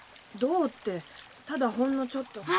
どうってただほんのちょっと。